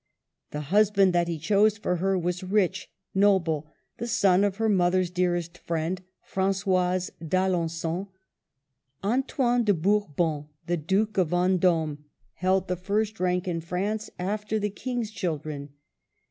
The husband that he chose for her was rich, noble, the son of her mother's dearest friend, Fran^oise d'Alengon. Antoine de Bourbon, the Duke of Vendome, held the first rank in THE END. 303 France, after the King's children.